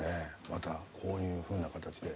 またこういうふうな形で。